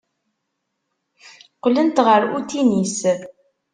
Qqlent ɣer utinis.